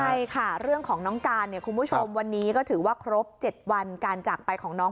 ใช่ค่ะเรื่องของน้องการเนี่ยคุณผู้ชมวันนี้ก็ถือว่าครบ๗วันการจากไปของน้อง